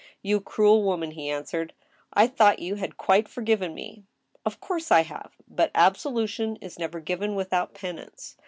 " You cruel woman," he answered ;'* I thought you had quite forgiven me." " Of course I have. But absolution is never given without pen ance.